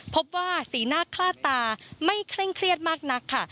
พบว่าสีหน้าคลาดตาไม่เคร่งเครียดมากนักค่ะ